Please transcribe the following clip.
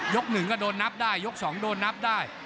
๑ก็โดนนับได้ยก๒โดนนับได้